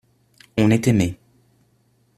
On est aimé.